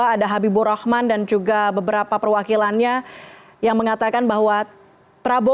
ada habibur rahman dan juga beberapa perwakilannya yang mengatakan bahwa prabowo dan sandiaga uno tidak dapat menghadiri